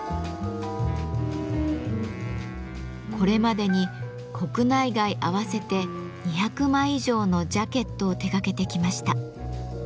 これまでに国内外合わせて２００枚以上のジャケットを手がけてきました。